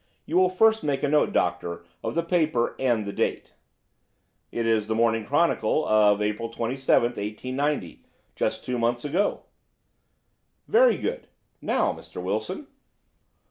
You will first make a note, Doctor, of the paper and the date." "It is The Morning Chronicle of April 27, 1890. Just two months ago." "Very good. Now, Mr. Wilson?"